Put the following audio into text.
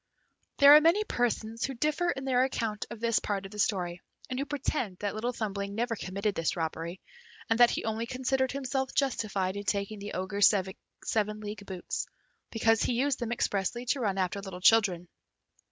There are many persons who differ in their account of this part of the story, and who pretend that Little Thumbling never committed this robbery, and that he only considered himself justified in taking the Ogre's seven league boots, because he used them expressly to run after little children.